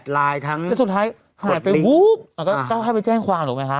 แล้วก็ตามเอง